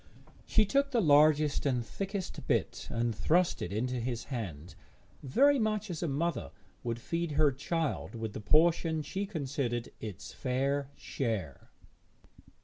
She took the largest and thickest bit and thrust it into his hand, very much as a mother would feed her child with the portion she considered its fair share.